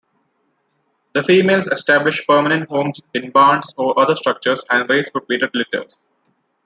The females establish permanent homes in barns or other structures and raise repeated litters.